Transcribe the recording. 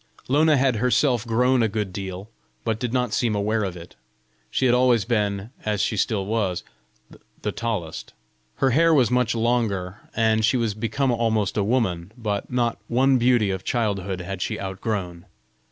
Lona had herself grown a good deal, but did not seem aware of it: she had always been, as she still was, the tallest! Her hair was much longer, and she was become almost a woman, but not one beauty of childhood had she outgrown.